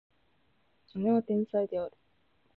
姉は天才である